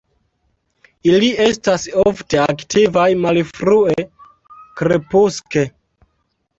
Ili estas ofte aktivaj malfrue krepuske.